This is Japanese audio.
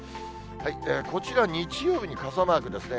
こちら、日曜日に傘マークですね。